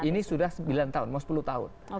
ini sudah sembilan tahun mau sepuluh tahun